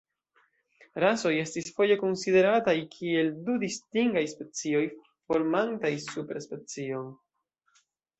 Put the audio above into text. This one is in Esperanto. Rasoj estis foje konsiderataj kiel du distingaj specioj, formantaj superspecion.